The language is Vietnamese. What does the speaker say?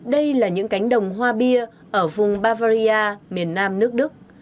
đây là những cánh đồng hoa bia ở vùng bavaria miền nam nước đức